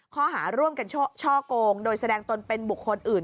ข้อหาร่วมกันช่อกงโดยแสดงตนเป็นบุคคลอื่น